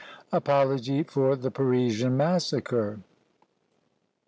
428. APOLOGY FOR THE PARISIAN MASSACRE.